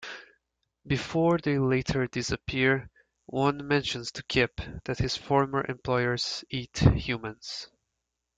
Before they later disappear, one mentions to Kip that his former employers eat humans.